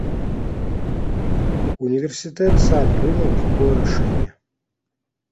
Універсітэт сам прыняў такое рашэнне.